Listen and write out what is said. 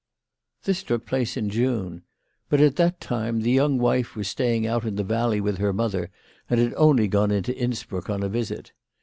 This took place in June. But at that time the young wife was staying out in the valley with her mother, and had only gone into Innsbruck on a> visit.